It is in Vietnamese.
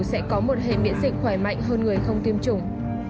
sẽ có một hệ miễn dịch khỏe mạnh hơn người không tiêm chủng